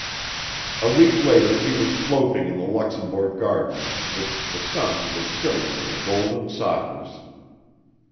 A week later he was loafing in the Luxembourg Gardens which the sun was filling with a golden softness.